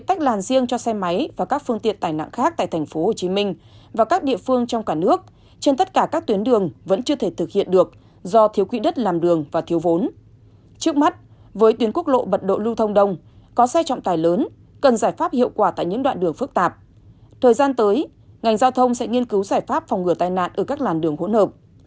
thời gian tới ngành giao thông sẽ nghiên cứu giải pháp phòng ngừa tai nạn ở các làn đường hỗn hợp